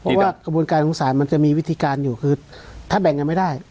เพราะว่ากระบวนการของศาลมันจะมีวิธีการอยู่คือถ้าแบ่งกันไม่ได้